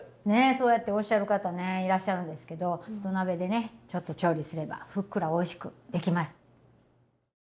ねえそうやっておっしゃる方ねいらっしゃるんですけど土鍋でねちょっと調理すればふっくらおいしくできます。